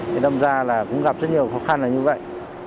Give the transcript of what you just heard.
thì đâm ra là cũng gặp rất nhiều khó khăn là như vậy